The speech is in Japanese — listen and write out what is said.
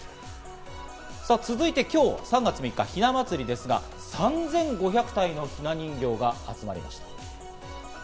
さぁ、続いて今日３月３日はひな祭りですが３５００体のひな人形が集まりました。